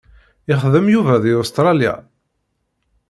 Ixeddem Yuba di Ustralya?